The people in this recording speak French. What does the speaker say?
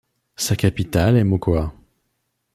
Sa capitale est Mocoa.